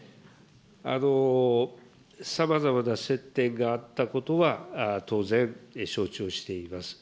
さまざまな接点があったことは、当然承知をしています。